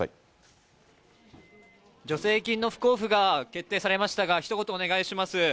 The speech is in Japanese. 助成金の不交付が決定されましたが、ひと言お願いします。